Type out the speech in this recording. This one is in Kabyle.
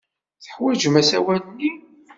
Teḥwajem asawal-nni?